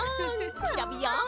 キラビヤン！